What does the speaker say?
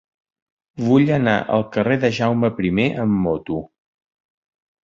Vull anar al carrer de Jaume I amb moto.